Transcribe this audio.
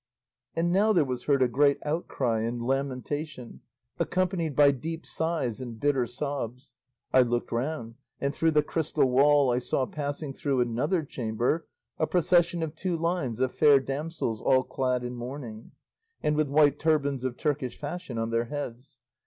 "And now there was heard a great outcry and lamentation, accompanied by deep sighs and bitter sobs. I looked round, and through the crystal wall I saw passing through another chamber a procession of two lines of fair damsels all clad in mourning, and with white turbans of Turkish fashion on their heads.